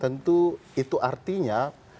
tentu itu artinya